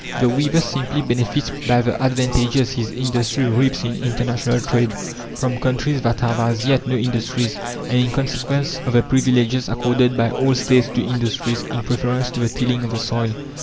The weaver simply benefits by the advantages his industry reaps in international trade, from countries that have as yet no industries, and in consequence of the privileges accorded by all States to industries in preference to the tilling of the soil.